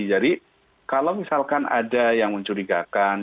jadi kalau misalkan ada yang mencurigakan